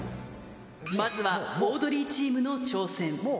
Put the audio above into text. まずはオードリーチームの挑戦。